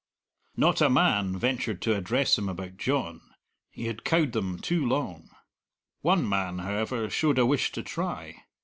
Not a man ventured to address him about John he had cowed them too long. One man, however, showed a wish to try.